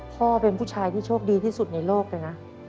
พ่อเป็นผู้ชายที่โชคดีที่สุดในโลกเลยนะ